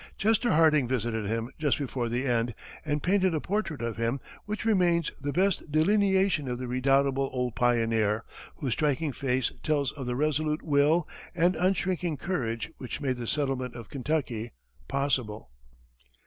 Chester Harding visited him just before the end and painted a portrait of him which remains the best delineation of the redoubtable old pioneer, whose striking face tells of the resolute will, and unshrinking courage which made the settlement of Kentucky possible.